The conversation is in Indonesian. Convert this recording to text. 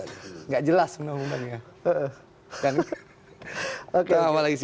nggak jelas menurut bang